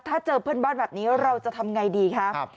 ถ้าเจอเพื่อนบ้านแบบนี้เราจะทำไงดีคะ